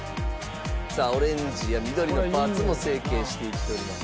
オレンジや緑のパーツも成型していっております。